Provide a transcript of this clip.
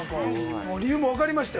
理由も分かりました。